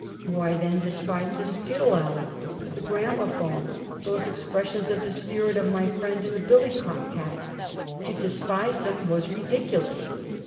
Why, then, despise the skittle alley, the gramophone, those expressions of the spirit of my friend in the billy cock hat? To despise them was ridiculous!